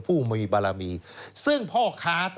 ผู้มีบารมีซึ่งพ่อค้า